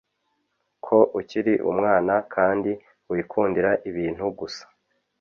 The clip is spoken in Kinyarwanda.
ko ukiri umwana kandi wikundira ibintu gusa